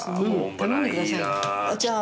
頼んでくださいよ。